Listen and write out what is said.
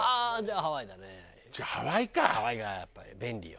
ハワイがやっぱり便利よ。